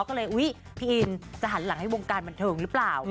ก็เลยอุ๊ยพี่อินจะหันหลังให้วงการบันเทิงหรือเปล่า